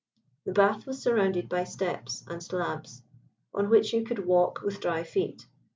The bath was surrounded by steps and slabs, on which you could walk with dry feet.